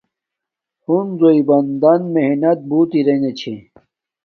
ہنزوݵ بندن محنت بوت اریگے چھے